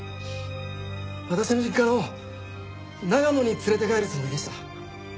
私の実家の長野に連れて帰るつもりでした。